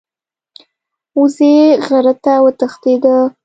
وزې غره ته وتښتیده.